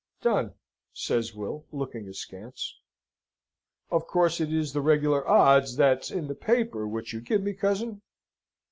"Done," says Will, looking askance. "Of course it is the regular odds that's in the paper which you give me, cousin?"